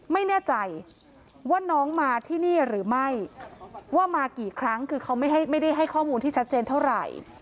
ไม่แน่ใจว่าน้องมาที่นี่หรือไม่ว่ามากี่ครั้งคือเขาไม่ได้ให้ข้อมูลที่ชัดเจนเท่าไหร่